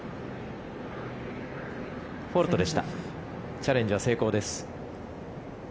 チャレンジは成功です。